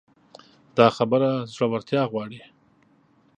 دا خبره زړورتيا غواړي.